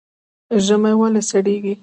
ژمی ولې سړیږي؟